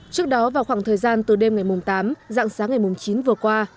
trước đó vào khoảng thời gian từ đêm ngày tám dạng sáng ngày chín vừa qua